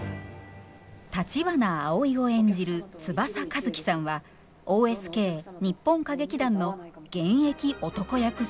橘アオイを演じる翼和希さんはＯＳＫ日本歌劇団の現役男役スター。